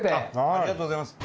ありがとうございます。